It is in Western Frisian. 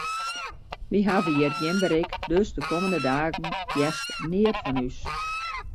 Wy hawwe hjir gjin berik, dus de kommende dagen hearst neat fan ús.